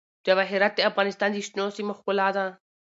جواهرات د افغانستان د شنو سیمو ښکلا ده.